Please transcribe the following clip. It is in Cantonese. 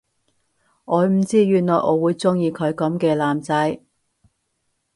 我唔知原來我會鍾意佢噉嘅男仔